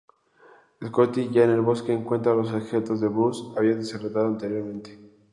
Scottie, ya en el bosque, encuentra los objetos que Bruce había desenterrado anteriormente.